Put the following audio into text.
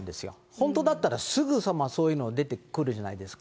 本当だったらすぐさまそういうの出てくるじゃないですか。